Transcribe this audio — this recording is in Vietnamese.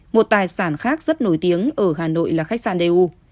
một tài sản khác rất nổi tiếng ở hà nội là khách sạn đê u